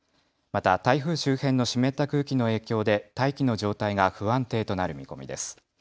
また台風周辺の湿った空気の影響で大気の状態が不安定となる見込みです。